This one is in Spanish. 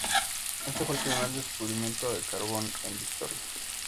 Este fue el primer descubrimiento de carbón en Victoria.